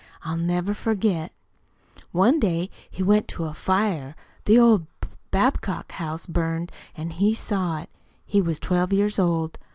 I'll never forget. One day he went to a fire. The old Babcock house burned, an' he saw it. He was twelve years old.